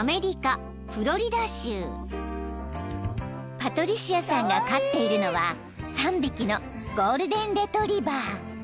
［パトリシアさんが飼っているのは３匹のゴールデンレトリバー］